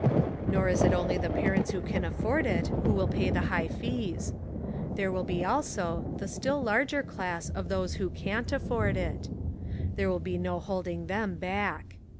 Nor is it only the parents who can afford it who will pay the high fees. There will be also the still larger class of those who can't afford it. There will be no holding them back.